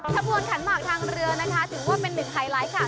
ขบวนขันหมากทางเรือนะคะถือว่าเป็นหนึ่งไฮไลท์ค่ะ